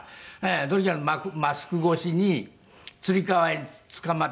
とにかくマスク越しにつり革につかまって。